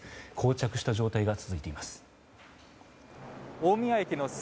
膠着した状態が続いています。